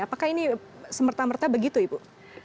apakah ini semerta merta begitu ibu